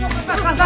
tahan tahan tahan